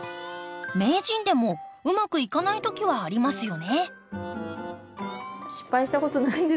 名人でもうまくいかない時はありますよね。